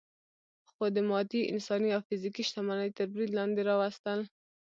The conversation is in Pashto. خو د مادي، انساني او فزیکي شتمنۍ تر برید لاندې راوستل.